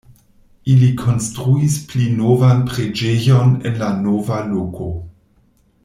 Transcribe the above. Ili konstruis pli novan preĝejon en la nova loko.